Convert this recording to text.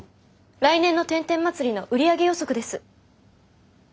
来年の天天祭りの売り上げ予測です。